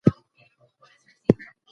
د بنسټونو مالي تصمیمونه مهم دي.